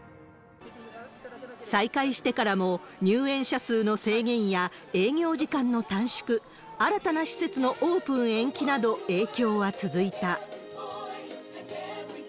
再開してからも、入園者数の制限や営業時間の短縮、新たな施設のオープン延期など、影響は続いた。